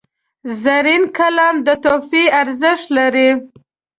زرین قلم د تحفې ارزښت لري.